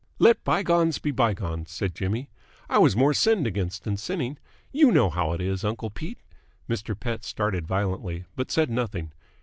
"Let bygones be bygones," said Jimmy. "I was more sinned against than sinning. You know how it is, uncle Pete!" Mr. Pett started violently, but said nothing.